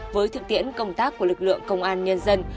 với thực tiễn công tác của lực lượng công an nhân dân